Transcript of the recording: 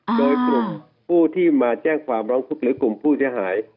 โดยกลุ่มผู้ที่มาแจ้งความร้องทุกข์หรือกลุ่มผู้เสียหาย